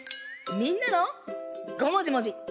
みんなもごもじもじ。